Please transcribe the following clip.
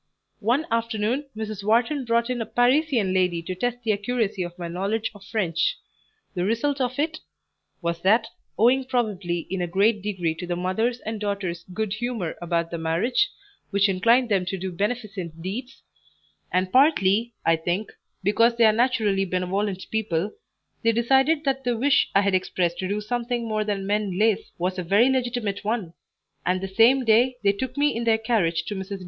One afternoon, Mrs. Wharton brought in a Parisian lady to test the accuracy of my knowledge of French; the result of it was that, owing probably in a great degree to the mother's and daughter's good humour about the marriage, which inclined them to do beneficent deeds, and partly, I think, because they are naturally benevolent people, they decided that the wish I had expressed to do something more than mend lace was a very legitimate one; and the same day they took me in their carriage to Mrs. D.